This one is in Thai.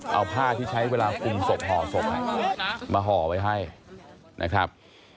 เอาผ้าที่ใช้เวลาคุมศพห่อศพมาห่อไว้ให้นะครับ